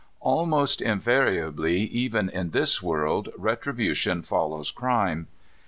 Almost invariably, even in this world, retribution follows crime.